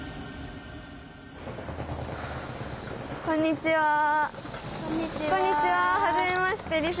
こんにちは。